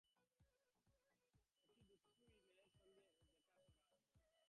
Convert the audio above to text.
একটি দুখি মেয়ের সঙ্গে দেখা কড়া দরকার।